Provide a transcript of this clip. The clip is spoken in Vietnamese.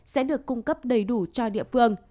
sẽ được cung cấp đầy đủ cho địa phương